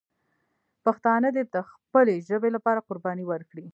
پښتانه دې د خپلې ژبې لپاره قرباني ورکړي.